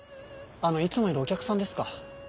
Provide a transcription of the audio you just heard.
あのいつもいるお客さんですか。